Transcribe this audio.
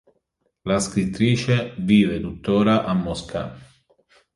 La scrittrice vive tuttora a Mosca.